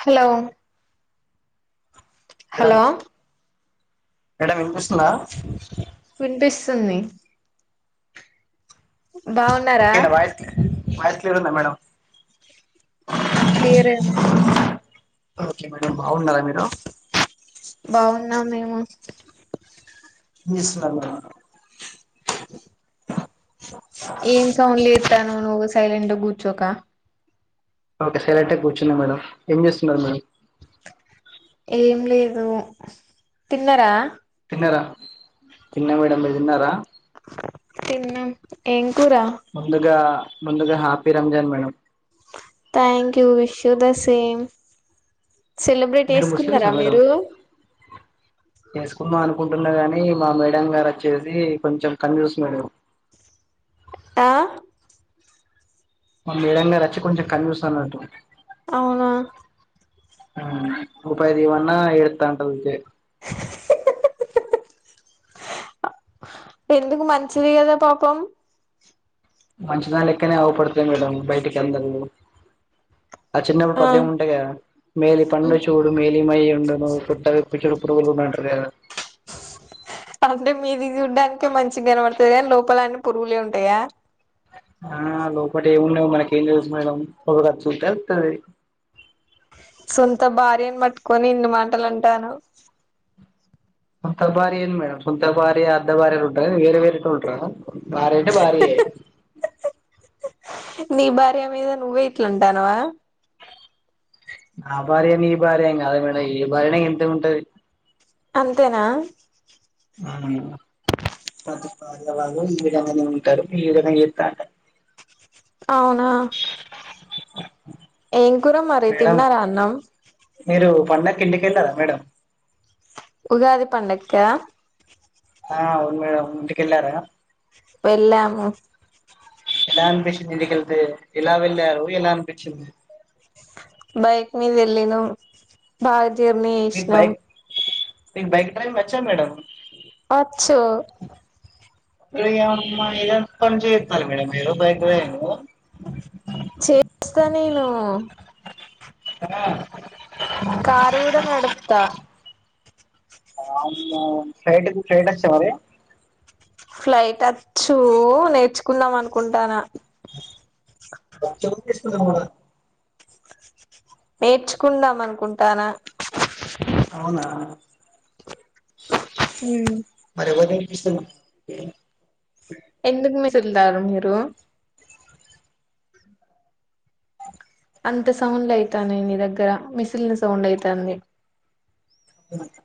Hello madam hello madam వినిపిస్తుందా వినిపిస్తుంది బాగున్నారా ఒకే నా వాయిస్ క్ వాయిస్ క్లియర్ ఉందా మేడం క్లియర్ ఉంది ఓకే మేడం బాగున్నారా మీరు బాగున్నం మేము ఎం చేస్తున్నారు మీరు ఏం సౌండ్ చేస్తున్నావ్ నువ్వు సైలెంట్ గా కూర్చోక ఓకే సైలెంట్గా కూర్చున్నా మేడం ఏం చేస్తున్నారు మేడం ఎం లేదు తిన్నారా తిన్నారా తిన్న మేడం మీరు తిన్నారా తిన్నాం ఎం ముందుగా ముందుగా happy Ramzan madam thank you wish you the same celebrate మీరు ముస్లిమ్సా చేసుకున్నారా మేడం మీరు ఉన్న కాని మ మేడం గారు వచ్చేసి కొంచెం కంజూస్ మేడం ఆ మా మేడం గారు వచ్చి కొంచెం కన్జూస్ అన్నట్టు అవునా రూపాయి దీయమన్న ఏడుస్తా ఉంటది ఊకె [unintelligible] ఎందుకు మంచిది కదా పాపం మంచిదని లెక్కనే ఆవుపడతది మేడం బయటికి అందరూ ఆ చిన్నప్పుడు పద్యం ఉంటాయి కదా మేలి పండు చూడు మేలి మైయ ఉండును పొట్ట విపి ఇచడు పురుగులు ఉన్నాయి అంటారు కదా అంటే మీది చూడ్డానికే మంచి కనవడతది కానీ లోపల అన్నీ పురుగులే ఉంటాయా. ఆ లోపట ఏముండవు మనకి ఏం తెలుసు మేడం ఒక చూపి వత్తాది. సొంత భార్యను మట్టుకొని ఇన్ని మాటలు అంటారా సొంత భార్య ఏంది మేడం సొంత భార్య అద్ద బార్యలు ఉంటారా ఏంది వేరు వేర్ తో ఉంటారా భార్య అంటే భర్యే నీ భార్య మీద నువ్వే ఇట్లా అంటున్నావా ఆ భార్య నీ భార్య ఎం కాదు మేడం ఏ భార్య అయిన ఇంతే ఉంటది అంతేనా అవును పతి పర్య వాళ్లు ఈవిడంగానే ఉంటరు. ఈవిడనే ఎస్తాంటే అవునా ఏం కూర మరి మేడం తిన్నారా అన్నం. మీరు పండక్కి ఇంటికెల్లారా మేడం ఉగాది పండక్కా ఆ అవును మేడం ఇంటికెల్లారా వెళ్ళాము ఎలా అనిపించింది. ఇంటికెళ్తే ఎలా వెళ్లారు ఎలా అన్పిచింది. బైక్ మీద వెళ్ళినం బాగ జర్నీ చేసినాం. మిక్ బైక్ డ్రైవింగ్ వచ్చా మేడం వచ్చు [unintelligible] మన ఏరియా మీరు బైక్ రైడింగు చేస్తా నేను కారు గుడా నడుపుతా ఆ ఫ్రైట్ కి ఫ్రైట్ ఒచ్చా మరి ఫ్లైట్ ఆచ్చు నేర్చుకుందాం అనుకుంటానా [unintelligible] నేర్చుకుందాం అనుకుంటానా అవునా హ్మ్ ఎవర్ నేర్పిస్తున్న ఎందుక్ మెసుల్తారు మీరు అంత సౌండ్ అయితనాయి. నీ దగ్గర మిసిన్ల సౌండ్ అయితంది. ఏమంట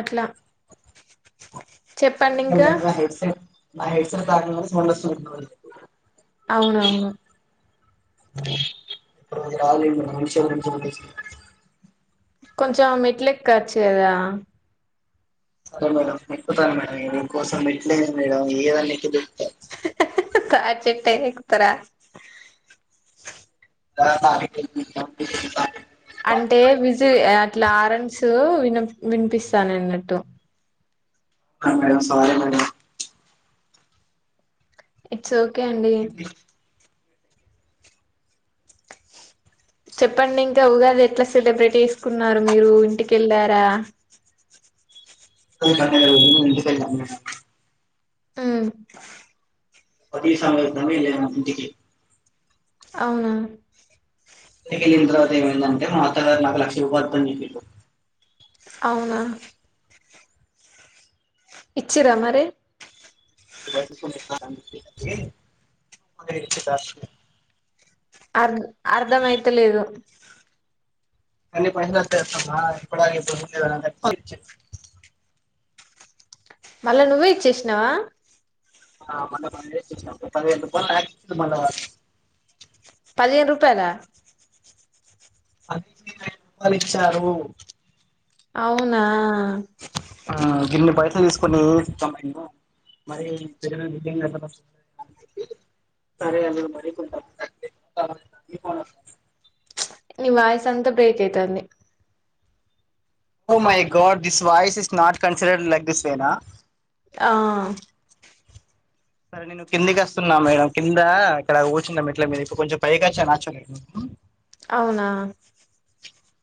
అట్లా చెప్పండి ఇంకా [unintelligible] హెడ్సెట్ నా హెడ్సెట్ [unintelligible] అవునవును [unintelligible] కొంచం మెట్ల ఎక్కచ్చు దా సడే మేడం ఎక్కుత మేడం మీ కోసం మెట్లెండి మేడం ఎవన ఏకుడు కా చెటైనా ఎక్కుతారా [unintelligible] అంటే విస్ అట్లా ఆరెంస్ విన వినిపిస్తాన్ నన్నట్టు ఆ madam sorry madam it's okay అండి చెప్పండి ఇంకా ఉగాది ఎట్లా సెలబ్రేట్ ఏసుకున్నారు. మీరు ఇంటికెళ్ళారా [unintelligible] ఇంటికెళ్ళాం మేడం మ్మ్ పది నిమిషాల్లో [unintelligible] ఇంటికి అవునా వెళ్లిన తర్వాత ఏమైందంటే మా అత్తగారు నాకు లక్ష రూపాయలు వోదు చేపిరు అవునా ఇచ్చిరా మరి [inaudible] అర్ అర్ధమైతలేదు అన్ని పైసలు ఇచ్చేస్తమా ఇప్పడ్ దకనే చెప్తుండు మళ్ళా నువ్వే ఇచ్చేసినవా మొన్న పది వేలు ఇచ్చినాము పది వేల రూపాయలు నాకిస్తుండు మళ్ళా వాడు పదిహేను రూపాయలా అవి ఇరవై రూపాలే ఇచ్చారు అవునా ఆ గిన్ని పైసలు తీసుకొని ఎం చేస్తాం మేము మరి [unintelligible] సరే అండి మరి కొంత నీ వాయిస్ అంతా బ్రేక్ అయితంది oh my god this voice is not consider like this వేన ఆ సరే నేను కిందికి అస్తున్న మేడం కిందా ఇక్కడ కూర్చున్న మెట్ల మీద ఇప్పడు కొంచెం పైక్ వోచ్చాను యాక్చువల్లీ అవునా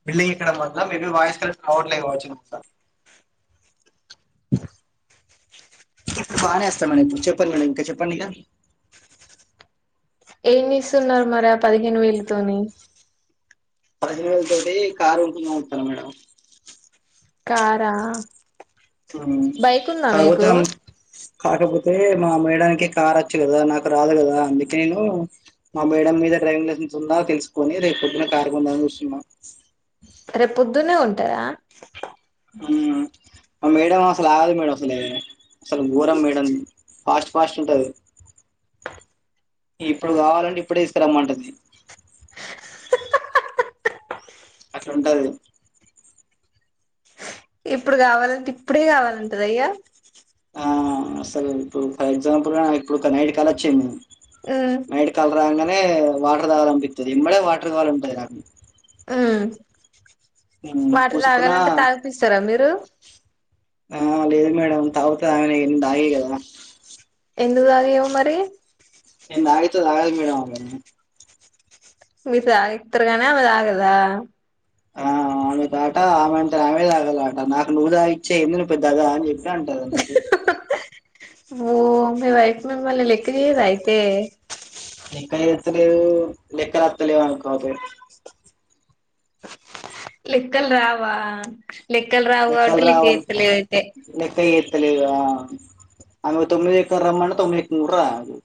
బిల్డింగ్ ఇక్కడ మళ్ళ మేబీ వాయిస్ కాల్ రావట్లే కావచ్చు బానే వస్తారు మేడం ఇగా చెప్పండి మేడం ఇగా చెప్పండి ఇగా ఏం చేస్తున్నారు మరి ఆ పదిహేను వేలతోని పదిహేను వేలతోటి కారు కొనుకుందాం అనుకున్న మేడం కారా ఉమ్ బైక్ ఉందా మీకు కాకపోతే కాకపోతే మా మేడంకి కార్ అచ్చు గదా నాకు రాదు గదా అందుకే నేను మా మేడం మీద డ్రైవింగ్ లైసెన్స్ ఉందా తెలుసుకోని రేపు పోద్దున కార్ కొందామని చూస్తున్న రేపు పొద్దునే కొంతరా ఉమ్ మా మేడం అసలు ఆగదు మేడం అసలే అసలు ఘోరం మేడాంది ఫాస్ట్ ఫాస్ట్ ఉంటది ఇప్పుడు కావలంటే ఇప్పుడే తీసుకరమ్మంటంది అట్లఉంటది ఇప్పుడు కావాలంటే ఇప్పుడే కావాలంటదా ఇగ ఆ అసలు ఇప్పుడు ఒక ఎక్సమ్ప్లెగా ఇప్పుడు నేటి కల వచ్చింది ఉమ్ నైట్ కల రాగానే వాటర్ తాగానిపిత్తది ఎంబడే వాటర్ కావాల అంటది నాకు ఉమ్ మ్మ్ వాటర్ పూసుకున్నా తాగాలంటే తాగిపిస్తరా మీరు ఆ లేదు మేడమ్ తాగుతది ఆమెనే మేం తాగియం గదా ఎందుకు దాగియావ్ మరి నేను తాగితే తాగదు మేడమ్ ఆమె మీర్ తాగిత్తరు గాని ఆమె తాగదా ఆ ఆమె తాట ఆమె అంటే ఆమెనే తాగల వాటర్ నాకు నువ్వు తాగి ఇచ్చే ఎందుకని పెద్దగా అని చెప్ ట్టే అంటది ఆమె ఓ మీ వైఫ్ మిమ్మల్ని లెక్క చేయదైతే లెక్క చేస్తలేదు లెక్కలు వస్తలేవు అనుకో ఆమెకి లెక్కలు రావా లెక్కలు రావు కాబట్టి లెక్కలు లెక్క రావం చేత్తలేదు అయితే లెక్కాచేత్తలేదు ఆ ఆమె తొమ్మిది ఎకర రమ్మంటే తొమ్మిది ఏకం కూడా రాదు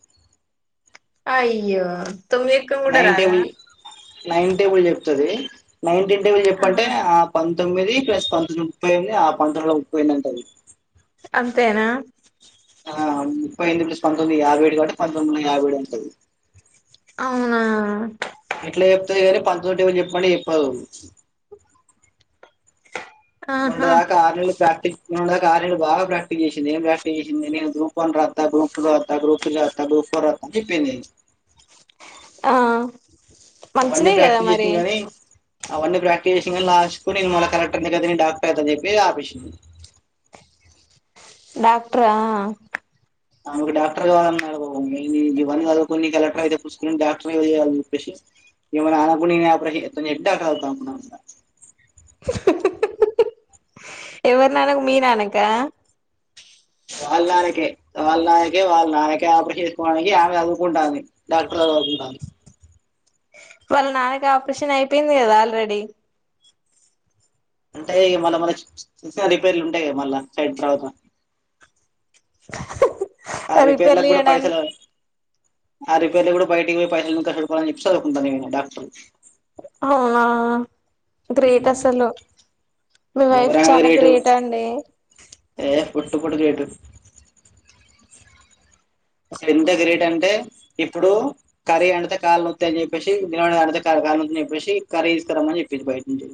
అయ్యో తొమ్మిదేక్కం కూడా నైన్ రాదా టేబుల్ నైన్ట్ ఇంటు చెప్పంటే ఆ పం పంతొమ్మిది ప్లస్ పంతొమ్మిది ముప్పైనిమిది ఆ పంతొమ్మిదిలో ముప్పై ఎన్నాటంది అంతేనా ఆ ముప్పై ఎనిమిది ప్లస్ పంతొమ్మిది యాభై ఏడు కాబట్టి పంతొమ్మిది వందల యాభై ఏడు అంటది. అవునా ఎట్ల జెప్తది గాని పంచతోటి ఎవలు జెప్పమంటే చెప్పదూ ఆహా మొన్నటిదాకా ఆర్నేళ్లు ప్రాక్టీస్ నుండే ఆర్నేళ్లు బాగా ప్రాక్టీస్ జేసింది. ఏం ప్రాక్టీస్ జేసింది. నేన్ గ్రూప్ వన్ రాత్త, గ్రూప్ టూ రాత్త, గ్రూప్ త్రీ రాత్త, గ్రూప్ ఫోర్ రాత్త. జెప్పింది ఆ అవన్నీ మంచిదే గద ప్రాక్టీస్ చేసిన మరి కానీ అవన్నీ ప్రాక్టీస్ జేసింది గానీ, లాస్ట్ కు నేన్ మళ్ల కలెక్టర్ని గదా. నేను డాక్టర్ చదువుచెపి ఆపెషింది. డాక్ట్రా ఆమెకు డాక్టర్ కావ్వాలన్నారు. ఇవ్వన్నీ చదువుకొని కలెక్టర్ అయితే పుస్కున డాక్టర్ చేయాలం జేప్పేసి ఈమేనానకుడా నేనే ఆపరేషన్ చేత్తా [unintelligible] [unintelligible] ఎవరి నానకు మీ నానక వాళ్ళ నానకే వాళ్ళ నాయకే వాళ్ళ నానకే ఆపరేషన్ చేస్కోడానికి ఆమె చదువుకుంటాందీ డాక్టర్. చదువుకుంటాంద్ వాళ్ళ నాన్నకి ఆపరేషన్ అయిపేయింది కదా ఆల్రెడీ. ఉంటయి మళ్ళ మల [unintelligible] రిపేర్లు ఉంటయి మళ్ళా సైడ్ తర్వత ఆ రిపేర్లు రిపేర్లకు గూడా చేయడానికి పైసలు ఆ రిపేర్లు కూడా బయటికొయి పైసలుంక్ [unintelligible] జెప్పి సదువుకుంటనెన్ డాక్టరు అవునా గ్రేట్ అసలు మీ వైఫ్ ఘోరంగా చాలా రేటు గ్రేట్ అండి. [unintelligible] గేట్ అసలెంత గ్రేట్ అంటే ఇప్పుడు కర్రీ అండుతే కాలునోత్తయని జెప్పేసి [unintelligible] రామని జెప్పేసి కరీ తీస్కారమని జెప్పిరు. బయట్నుంచె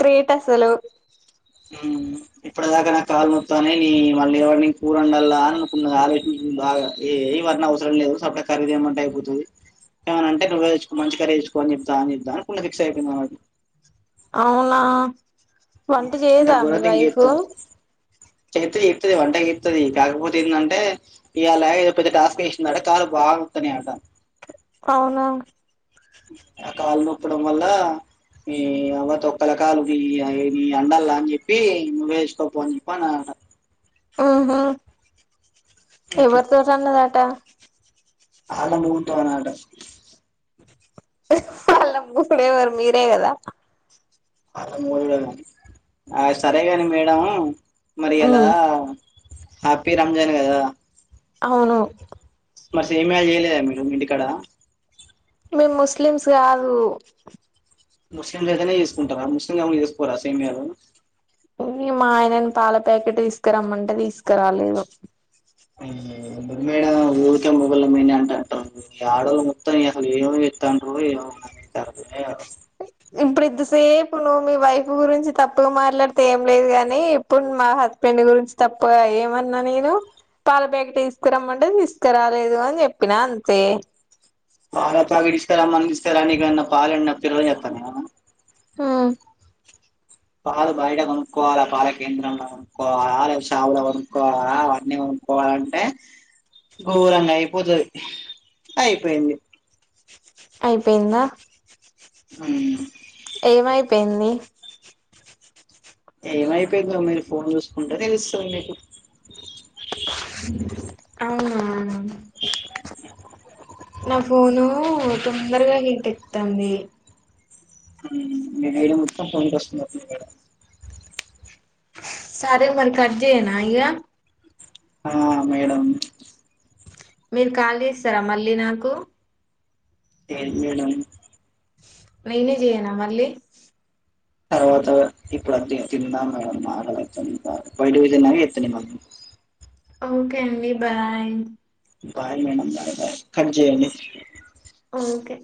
గ్రేట్ అసలు ఇప్పటిదాకా నా కాల్నొత్తాన్నయ్ నీ మళ్ళీ ఎవర్ని కూరండలానుకున్నదా [unintelligible] బాగా ఏ ఇవన్నవసరం లేదు. సప్పుడేక కరీ తేమంటే అయిపోతది. ఏమనంటే నువ్వేదెచ్చుకో మంచి కర్రీ దేచ్కొ అని జెప్తా జెప్తాని [unintelligible] ఫిక్స్ ఐపేయింది [unintelligible] అవునా వంట ఉమ్, అంటే చేయదా మీ వైఫ్ చేత్తే జేత్తది వంట ఏత్తది. కాకపోతే ఎందంటే ఇయాల ఏదో పెద్ద టాస్క్ ఎసిండ్ అట కాద్ బాగా త్తనేటా అవున ఆ కాలు మొక్కడం వల్ల ఈ అవ్వ తొక్కలకాలు గీ [unintelligible] అండల్లా అన్ జెప్పి నువేసుకపో అని జెప్ అనన్ ఉహు ఎవరితోటిన్నదంట ఆళ్ల ముంటనట ఆళ్ల మూడేవరు మీరే గదా అ [unintelligible] ఆ సరేగాని మేడం మరి ఇయాలా ఉమ్, హ్యాపీ రంజాన్ గదా అవునూ మరి షేమియ జేయలేదా మీరు మీంటికడ మేం ముస్లిమ్స్ గాదు. ముస్లింలైతేనే ఏసుకుంటవా, ముస్లిం కాపోతే చేసుకోరా సేమ్యాలు. మా ఆయనను పాల ప్యాకెట్ తీస్కారమ్మంటే తీస్కరాలేదు. మేడ ఊడ్కాల్ మొగళ్ళమినంట అంటరు యాడోల్లు మొత్తాన్కసాలు ఏమిసల్ తండ్రు ఇవ [unintelligible] తారు ఇప్పుడింత సేపు నువ్వు మీ వైఫ్ గురించి తప్పుగా మాట్లాడితే ఏం లేదు గాని ఇప్పుడు మా హ హస్బెండ్ గురించి తప్పుగా ఏమన్న నేను పాల ప్యాకట్ తీస్కారమ్మంటే తీస్కారాలేదు అనీ జెప్పిన అంతే పాల పాకెట్ తీసుకరమ్మని తీసుకరానికి నెనెమన్న పాలెమన పిర్రని జేతన్న. ఉ పాలు బయట కొనుక్కోవాల పాల కేంద్రంలో కొనుక్కొవాలా లేద షాపుల కొనుక్కవాల అవన్నీ కొ క్కొవాలంటే ఘోరంగా అయిపోతది. అయిపోయింది. అయిపోయిందా ఉమ్ ఏమైపోయింది ఏమైపోయిందో మీరు ఫోన్ చూసుకుంటే తెలుస్తది మీకు అవునా నా ఫోనూ తొందరగా హీట్ ఎక్తాంది [unintelligible] మొత్తం ఫోన్ [unintelligible] సారి మరి కట్ జేయనా ఇగ ఆ మేడమ్ మీరు కాల్ చేస్తరా మళ్ళీ నాకు చేయను మేడం నేనే జేయనా మళ్ళీ తర్వాత ఇప్పుడు అ తి తిందాం మేడం ఆకలైతుంది బాగ బయటి పోయి తిందామా ఇత్తి తిందామా ఓకే అండి bye bye madam bye bye cut చేయండి ఓకే